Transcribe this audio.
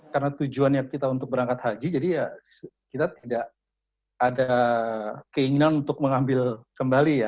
karena tujuannya kita untuk berangkat haji jadi ya kita tidak ada keinginan untuk mengambil kembali